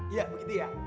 iya begitu ya